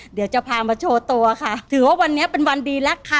เดี๋ยวจะพามาโชว์ตัวค่ะถือว่าวันนี้เป็นวันดีแล้วค่ะ